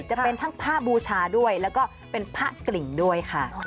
จะเป็นทั้งพระบูชาด้วยแล้วก็เป็นพระกริ่งด้วยค่ะ